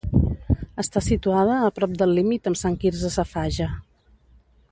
Està situada a prop del límit amb Sant Quirze Safaja.